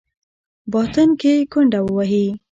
باطن کې ګونډه ووهي.